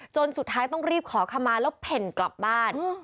สุดท้ายต้องรีบขอขมาแล้วเพ่นกลับบ้าน